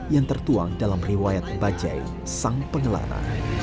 yang tertuang dalam riwayat bajai sang pengelana